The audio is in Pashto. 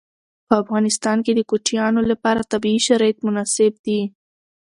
په افغانستان کې د کوچیانو لپاره طبیعي شرایط مناسب دي.